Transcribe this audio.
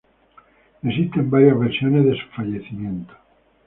Existen varias versiones de su fallecimiento.